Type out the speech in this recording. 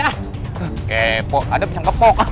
kepo ada bisa ngepok